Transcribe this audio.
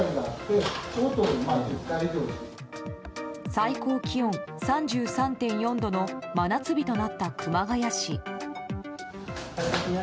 最高気温３３．４度の真夏日となった熊谷市。